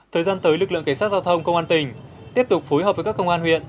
thời gian tới lực lượng cảnh sát giao thông công an tỉnh tiếp tục phối hợp với các công an huyện